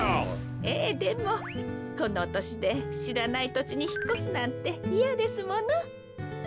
ええでもこのとしでしらないとちにひっこすなんていやですもの。